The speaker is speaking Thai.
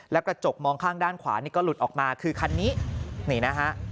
แล้วกระจกมองข้างด้านขวานี่ก็หลุดออกมาคือคันนี้นี่นะฮะ